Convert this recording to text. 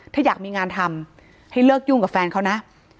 ถ้าอยากมีงานทำให้เลิกยุ่งกับแฟนเขานะ